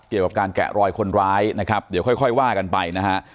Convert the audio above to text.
เกี่ยวกับการแกะรอยคนร้ายนะครับเดี๋ยวค่อยว่ากันไปนะฮะ